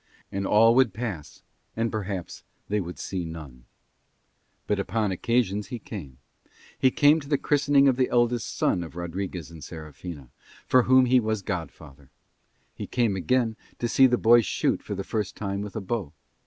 And all would pass and perhaps they would see none. But upon occasions he came. He came to the christening of the eldest son of Rodriguez and Serafina, for whom he was godfather. He came again to see the boy shoot for the first time with a bow.